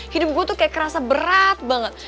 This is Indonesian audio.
hidup gue tuh kayak kerasa berat banget